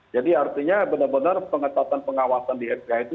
jadi artinya benar benar pengetahuan pengawasan di rch itu